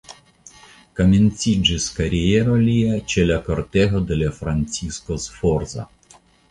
Komenciĝis kariero lia ĉe la kortego de Francisko Sforza.